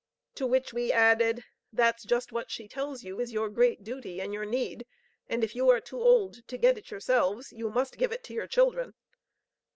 To which we added, "That's just what she tells you is your great duty and your need, and if you are too old to get it yourselves, you must give it to your children."